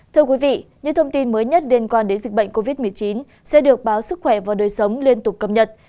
thưa quý vị những thông tin mới nhất liên quan đến dịch bệnh covid một mươi chín sẽ được báo sức khỏe và đời sống liên tục cập nhật